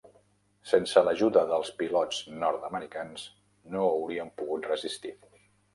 Sense l'ajuda dels pilots nord-americans, no hauríem pogut resistir.